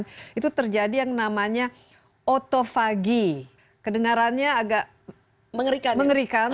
delapan belas jam itu terjadi yang namanya otofagi kedengarannya agak mengerikan mengerikan